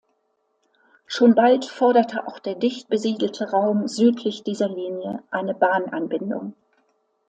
Schon bald forderte auch der dicht besiedelte Raum südlich dieser Linie eine Bahnanbindung.